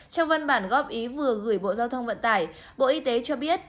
trong văn bản góp ý vừa gửi bộ giao thông vận tải bộ y tế cho biết